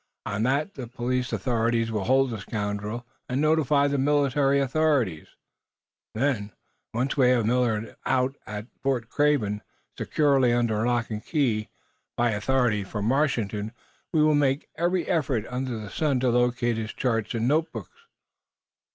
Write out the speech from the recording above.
On that the police authorities will hold the scoundrel and notify the military authorities. Then, once we have Millard out at Fort Craven, securely under lock and key, by authority from Washington, we will make every effort under the sun to locate his charts and notebooks."